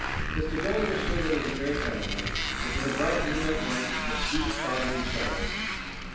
Mr Dolling was sure that it was very kind of him. It was a bright moonlight night, with deep, bothering shadows.